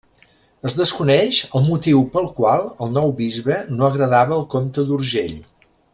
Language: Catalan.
Es desconeix el motiu pel qual el nou bisbe no agradava al comte d’Urgell.